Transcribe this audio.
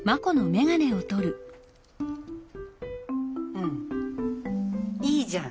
うんいいじゃん。